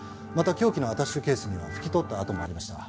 凶器のアタッシェケースには拭き取った跡もありました。